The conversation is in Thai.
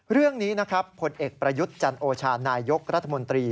เรื่องนี้นะครับผลเอกประยุทธ์จันโอชานายยกรัฐมนตรี